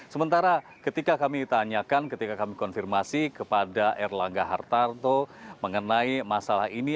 sementara ketika kami tanyakan ketika kami konfirmasi kepada erlangga hartarto mengenai masalah ini